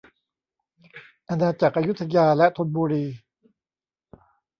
อาณาจักรอยุธยาและธนบุรี